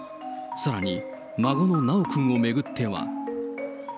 さらに、孫の修くんを巡っては。